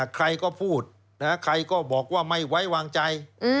ใครก็พูดใครก็บอกว่าไม่ไว้วางใจ